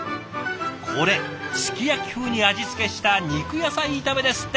これすき焼き風に味付けした肉野菜炒めですって。